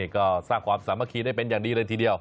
ก็สร้างความสามัคคีได้เป็นอย่างดีเลยทีเดียว